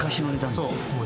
そう。